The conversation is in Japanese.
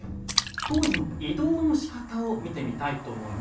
当時の移動のしかたを見てみたいと思います。